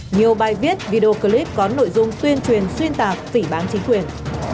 nhiều bài viết video clip có nội dung tuyên truyền xuyên tạp tỉ bán chính quyền